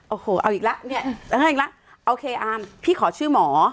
โอ้โหเอาอีกนะเอ่งนะโอเคอาร์มพี่ขอชื่อหมอ